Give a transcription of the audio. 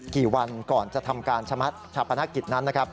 กี่วันก่อนจะทำการชะมัดชาปนักกิจนั้น